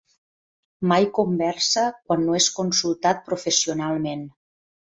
Mai conversa quan no és consultat professionalment.